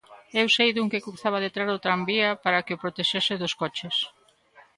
Eu sei dun que cruzaba detrás do tranvía para que o protexese dos coches.